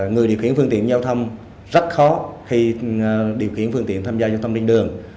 người điều khiển phương tiện giao thông rất khó khi điều khiển phương tiện tham gia giao thông trên đường